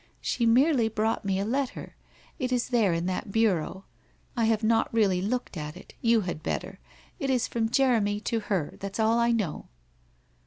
She merely brought me a letter. It is there in that bureau. I have not really looked at it. You had better. It is from Jeremy to her, that's all I know.'